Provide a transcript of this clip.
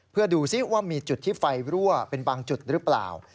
เพื่อดูซิว่ามีจุดที่ไฟรั่วเป็นบางจุดหรือเปล่า